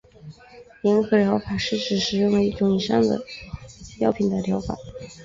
联合疗法是指使用了一种以上的药品的疗法。